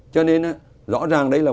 cho nên rõ ràng đây là